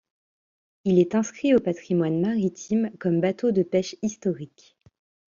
Il est inscrit au patrimoine maritime comme bateau de pêche historique.